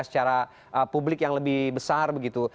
secara publik yang lebih besar begitu